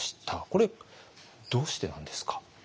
これどうしてなんですか？